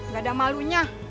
gak ada malunya